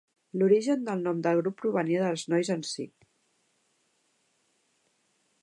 L'origen del nom del grup provenia dels nois en si.